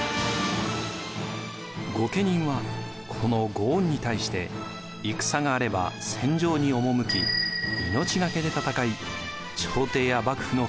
御家人はこの御恩に対して戦があれば戦場に赴き命懸けで戦い朝廷や幕府の警護にも当たりました。